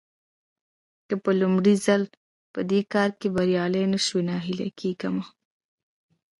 که په لومړي ځل په دې کار کې بريالي نه شوئ مه ناهيلي کېږئ.